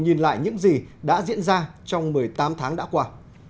nhìn lại những gì đã diễn ra trong một mươi tám tháng đã qua